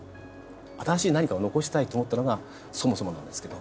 新しい何かを残したいと思ったのがそもそもなんですけど。